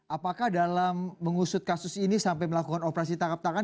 apakah dalam mengusut kasus ini sampai melakukan operasi tangkap tangan